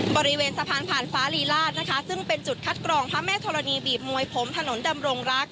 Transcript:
บริเวณสะพานผ่านฟ้าลีลาศนะคะซึ่งเป็นจุดคัดกรองพระแม่ธรณีบีบมวยผมถนนดำรงรัก